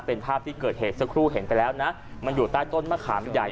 เป็นภาพที่เกิดเหตุสักครู่เห็นไปแล้วนะมันอยู่ใต้ต้นมะขามใหญ่